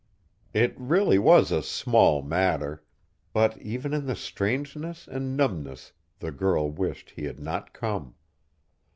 It really was a small matter; but even in the strangeness and numbness the girl wished he had not come.